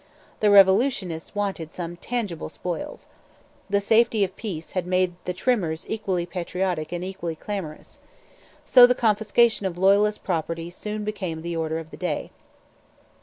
The revolutionists wanted some tangible spoils. The safety of peace had made the trimmers equally 'patriotic' and equally clamorous. So the confiscation of Loyalist property soon became the order of the day.